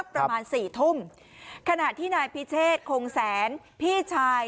ประมาณสี่ทุ่มขณะที่นายพิเชษคงแสนพี่ชาย